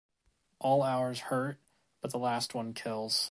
All hours hurt, but the last one kills.